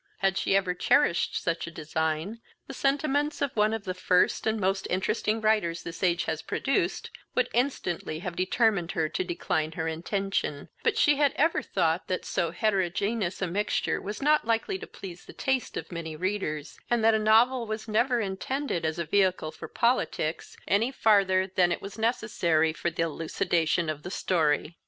Had she ever cherished such a design, the sentiments of one of the first* and most interesting writers this age has produced, would instantly have determined her to decline her intention, but she had ever thought that so heterogeneous a mixture was not likely to please the taste of many readers, and that a novel was never intended as a vehicle for politics, any farther than it was necessary for the elucidation of the story.